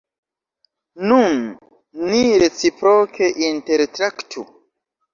Nun ni reciproke intertraktu!